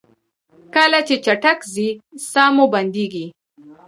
کله چې چټک ځئ ساه مو بندیږي؟